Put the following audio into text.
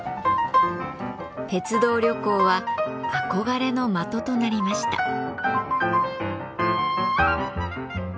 鉄道旅行は憧れの的となりました。